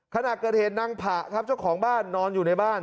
ขณะเกิดเหตุนางผะครับเจ้าของบ้านนอนอยู่ในบ้าน